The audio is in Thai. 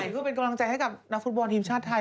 ก็เป็นกำลังใจให้กับนักฟุตบอลทีมชาติไทย